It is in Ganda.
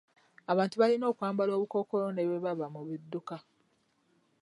Abantu balina okwambala obukookolo ne bwe baba mu bidduka.